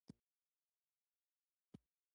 ازادي راډیو د بیکاري په اړه تفصیلي راپور چمتو کړی.